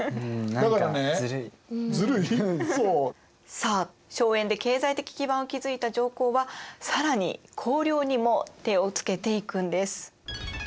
さあ荘園で経済的基盤を築いた上皇は更に公領にも手をつけていくんです。